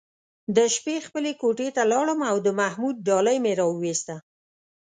د شپې خپلې کوټې ته لاړم او د محمود ډالۍ مې راوویسته.